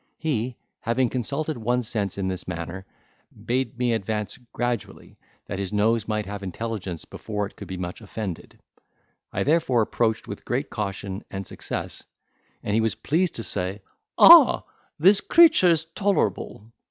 He, having consulted one sense in this manner, bade me advance gradually, that his nose might have intelligence before it could be much offended: I therefore approached with great caution and success, and he was pleased to say, "Ay, this creature is tolerable."